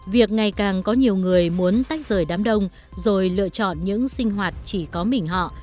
việc ngày càng có nhiều người muốn tách rời đám đông rồi lựa chọn những sinh hoạt chỉ có mình họ